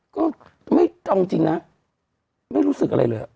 ก็ไม่เอาจริงนะไม่รู้สึกอะไรเลย